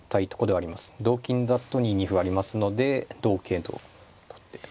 同金だと２二歩がありますので同桂と取ってま